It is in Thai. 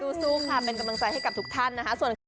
สู้ค่ะเป็นกำลังใจให้กับทุกท่านนะคะ